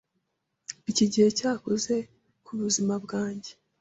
Iki gihe cyakoze ku buzima bwanjye.